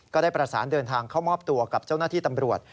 ก็ได้ประสานเดินทางเข้ามอบตัวกับเจ้าหน้าที่ตำรวจ